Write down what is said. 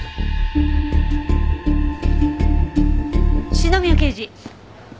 篠宮刑事。